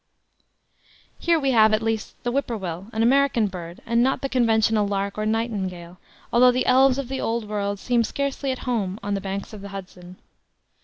Here we have, at last, the whip poor will, an American bird, and not the conventional lark or nightingale, although the elves of the Old World seem scarcely at home on the banks of the Hudson.